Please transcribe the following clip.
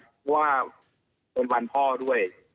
เพราะว่าเป็นวันพ่อด้วย